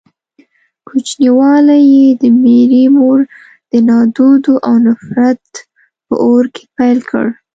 کوچنيوالی يې د ميرې مور د نادودو او نفرت په اور کې پيل کړ.